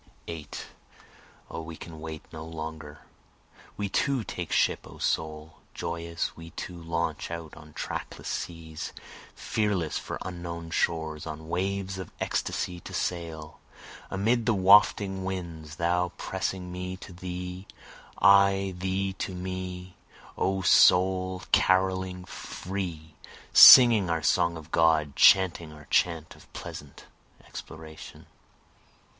8 O we can wait no longer, We too take ship O soul, Joyous we too launch out on trackless seas, Fearless for unknown shores on waves of ecstasy to sail, Amid the wafting winds, (thou pressing me to thee, I thee to me, O soul,) Caroling free, singing our song of God, Chanting our chant of pleasant exploration.